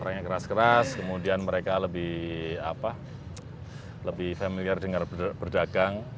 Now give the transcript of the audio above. orangnya keras keras kemudian mereka lebih familiar dengan berdagang